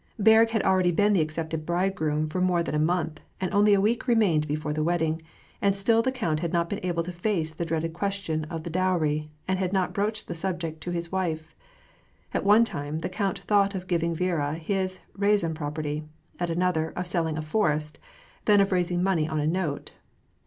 Berg had already been the accepted bridegroom for more than a month, and only a week remained b^ore the wedding, and still the count had not been able to face the dreaded ques tion of the dowry, and had not broached the subject to his wife. At one time, the count thought of giving Viera his Bia zan property ; at another, of selling a forest ; then of raising money on a note.